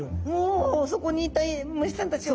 おそこにいた虫さんたちを？